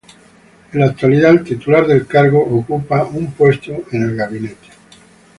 En la actualidad el titular del cargo ocupa un puesto en el Gabinete.